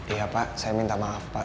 iya pak saya minta maaf pak